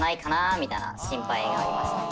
みたいな心配がありますね。